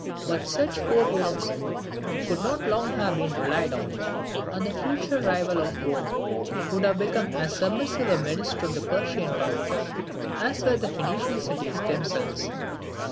But such forbearance could not long have been relied on, and the future rival of Rome would have become as submissive a minister of the Persian power as were the Phoenician cities themselves.